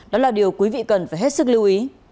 đó là điều quý vị cần phải hết sức lưu ý